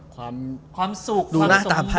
ความสุขความสมบูรณ์